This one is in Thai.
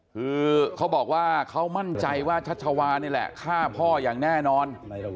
คือเขาบอกว่าเขามั่นใจว่าชัชวานี่แหละฆ่าพ่ออย่างแน่นอน